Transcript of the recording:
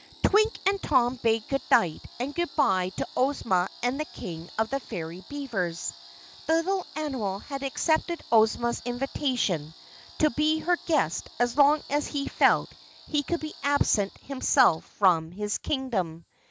Twink and Tom bade goodnight and goodbye to Ozma and the King of the Fairy Beavers. The little animal had accepted Ozma's invitation to be her guest as long as he felt he could absent himself from his Kingdom.